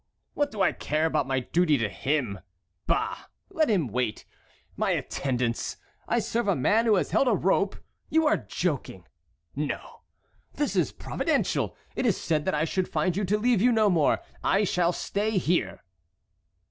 "What do I care about my duty to him! Bah! Let him wait! My attendance! I serve a man who has held a rope? You are joking! No! This is providential; it is said that I should find you to leave you no more. I shall stay here."